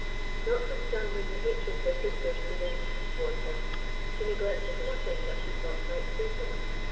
Notwithstanding the hatred her sisters evinced towards her, she neglected nothing that she thought might please them.